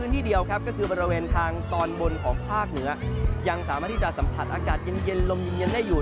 ที่จะสัมผัสอากาศเย็นลมเย็นได้อยู่